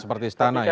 seperti istana ya